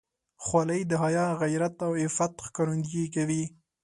خولۍ د حیا، غیرت او عفت ښکارندویي کوي.